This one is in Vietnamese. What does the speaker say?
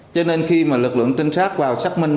cho nên khi mà lực lượng trinh sát vào xác minh